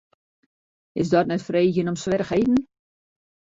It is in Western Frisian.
Is dat net freegjen om swierrichheden?